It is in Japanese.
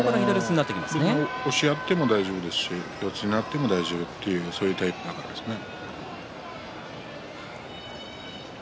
押し合っても大丈夫だし四つになっても大丈夫という、そういうタイプですね。